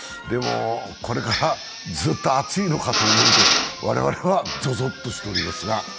これからずっと暑いのかと思うと我々はぞぞっとしておりますが。